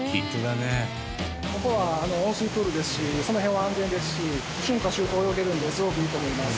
ここは温水プールですしその辺は安全ですし春夏秋冬泳げるのですごくいいと思います。